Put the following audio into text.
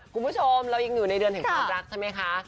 คุณผู้ชมเรายังอยู่ในเดือนแห่งความรักใช่ไหมคะ